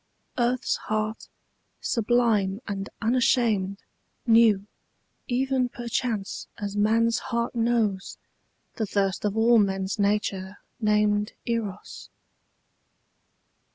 Earth's heart, sublime and unashamed, Knew, even perchance as man's heart knows, The thirst of all men's nature named Eros.